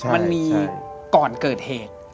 มันมีก่อนเกิดเหตุ